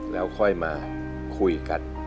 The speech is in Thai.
แล้วค่อยมาคุยกัน